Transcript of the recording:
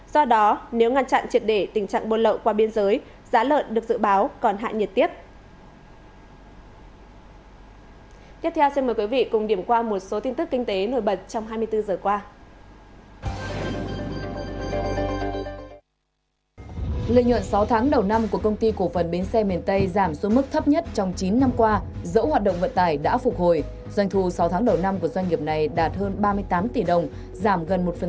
do đó nếu ngăn chặn triệt để tình trạng bồn lợn qua biên giới giá lợn được dự báo còn hạ nhiệt tiếp